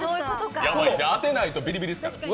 当てないとビリビリですからね。